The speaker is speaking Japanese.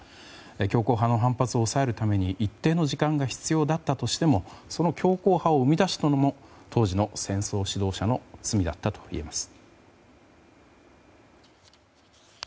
強硬派の反発を抑えるために一定の時間が必要だったとしてもその強硬派を生み出したのも当時の戦争指導者の罪だったといえます。